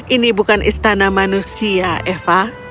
ini bukan istana manusia eva